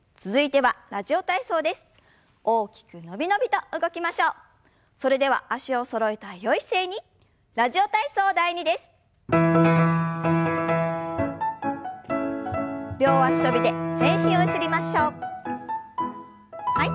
はい。